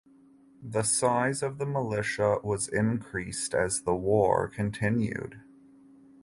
The size of the militia was increased as the war continued.